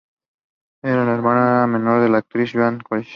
Era la hermana menor de la actriz Joan Collins.